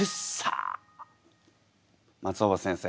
松尾葉先生